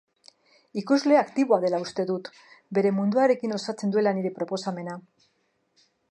Ikusle aktiboa dela uste dut, bere munduarekin osatzen duela nire proposamena.